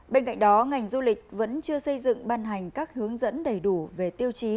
bên cạnh đó ngành du lịch vẫn chưa xây dựng ban hành các hướng dẫn đầy đủ về tiêu chí